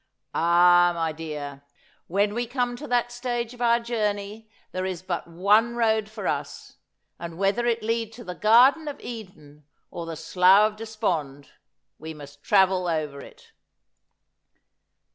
Ah, my dear, when we come to that stage of our journey there is but one road for us : and whether it lead to the Garden of Eden or the Slough of Despond, we must travel over it.'